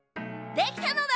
できたのだ！